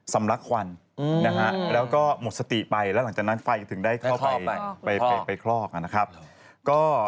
สำลักควันแล้วก็หมดสติไปแล้วหลังจากนั้นไฟถึงได้เข้าไปคลอก